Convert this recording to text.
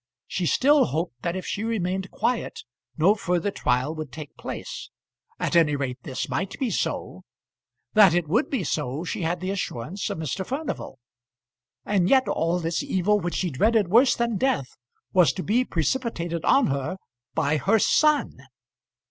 She still hoped that if she remained quiet no further trial would take place. At any rate this might be so. That it would be so she had the assurance of Mr. Furnival. And yet all this evil which she dreaded worse than death was to be precipitated on her by her son!